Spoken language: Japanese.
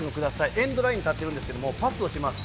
エンドラインに立ってるんですけど、パスをします。